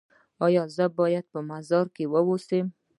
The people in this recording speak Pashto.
ایا زه باید په مزار کې اوسم؟